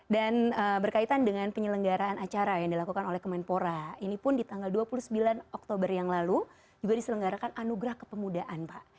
dan berkaitan dengan penyelenggaraan acara yang dilakukan oleh kementpora ini pun di tanggal dua puluh sembilan oktober yang lalu juga diselenggarakan anugerah kepemudaan pak